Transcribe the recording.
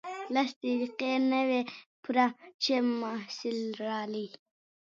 لس دقیقې نه وې پوره چې محصل راغی.